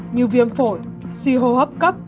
như viêm phội suy hô hấp cấp